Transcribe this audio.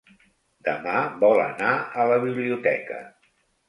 Demà vol anar a la biblioteca.